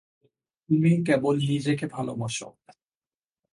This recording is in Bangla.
তুমি কেবল নিজেকে ভালোবাসো।